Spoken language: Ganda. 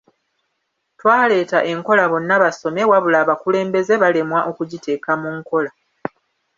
Twaleeta enkola bonnabasome wabula abakulembeze balemwa okugiteeka mu nkola.